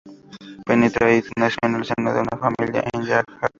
Penny Tai nació en el seno de una familia en hakka.